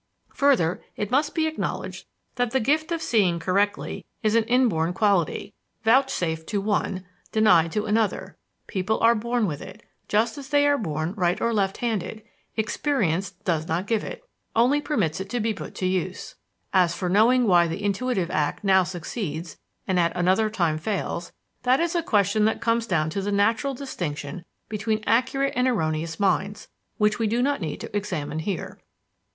Further, it must be acknowledged that the gift of seeing correctly is an inborn quality, vouchsafed to one, denied to another: people are born with it, just as they are born right or left handed: experience does not give it only permits it to be put to use. As for knowing why the intuitive act now succeeds and at another time fails, that is a question that comes down to the natural distinction between accurate and erroneous minds, which we do not need to examine here.